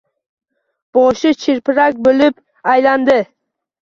Boshi chirpirak bo‘lib aylandi.